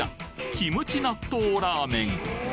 キムチ納豆ラーメン